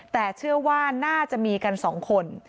แต่เชื่อว่าน่าจะมีกัน๒คน